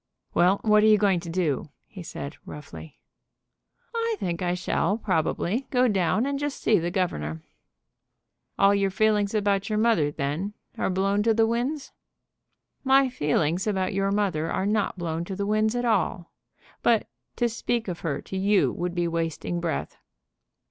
"Well, what are you going to do?" he said, roughly. "I think I shall, probably, go down and just see the governor." "All your feelings about your mother, then, are blown to the winds?" "My feelings about your mother are not blown to the winds at all; but to speak of her to you would be wasting breath."